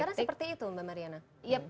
sekarang seperti itu mbak mariana